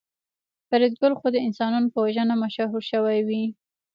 فریدګل خو د انسانانو په وژنه مشهور شوی و